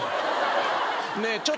ねえちょっと。